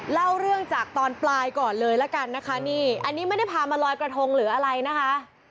เล่าเรื่องจากตอนปลายก่อนเลยละกันนะคะนี่อันนี้ไม่ได้พามาลอยกระทงหรืออะไรนะคะ